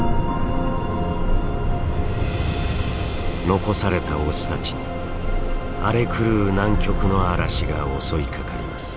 残されたオスたちに荒れ狂う南極の嵐が襲いかかります。